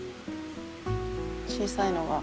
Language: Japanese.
小さいのが。